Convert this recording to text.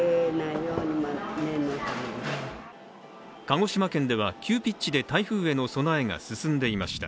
鹿児島県では急ピッチで台風への備えが進んでいました。